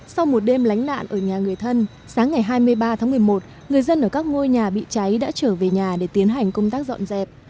sau một đêm lánh nạn ở nhà người thân sáng ngày hai mươi ba tháng một mươi một người dân ở các ngôi nhà bị cháy đã trở về nhà để tiến hành công tác dọn dẹp